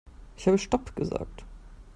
Ich habe stopp gesagt.